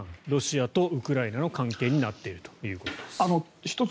ロシアとウクライナの関係になっているということです。